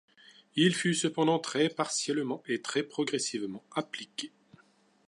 Il fut cependant très partiellement et très progressivement appliqué.